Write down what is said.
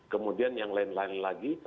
kemudian yang lain lain lagi